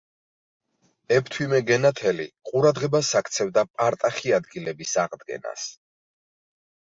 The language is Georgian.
ეფთვიმე გენათელი ყურადღებას აქცევდა პარტახი ადგილების აღდგენას.